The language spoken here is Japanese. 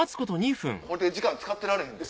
これで時間使ってられへんで。